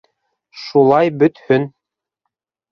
Шулай бөтһөн.